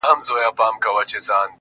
• تا خو د زمان د سمندر څپو ته واچول -